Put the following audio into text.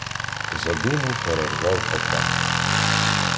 Задуму перервав Петренко.